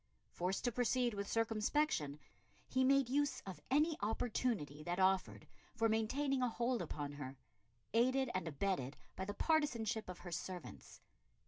Forced to proceed with circumspection, he made use of any opportunity that offered for maintaining a hold upon her, aided and abetted by the partisanship of her servants.